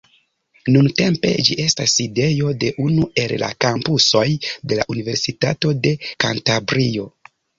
Nuntempe ĝi estas sidejo de unu el la kampusoj de la Universitato de Kantabrio.